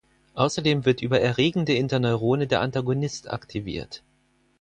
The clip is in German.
Außerdem wird über erregende Interneurone der Antagonist aktiviert.